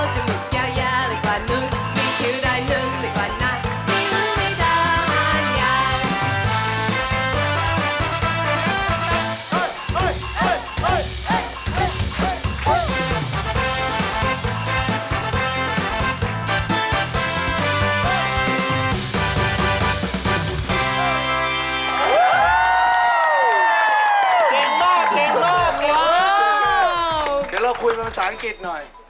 เดี๋ยวเราคุยภาษาอังกฤษหน่อย